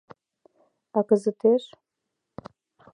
А кызытеш?